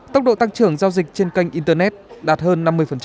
tốc độ tăng trưởng giao dịch trên kênh internet đạt hơn năm mươi